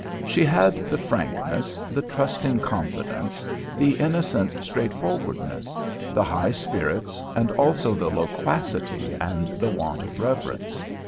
She had the frankness, the trusting confidence, the innocent straightforwardness, the high spirits, and also the loquacity and the want of reverence.